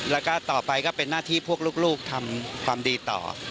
แล้วก็ต่อไปก็เป็นหน้าที่พวกลูกทำความดีต่อ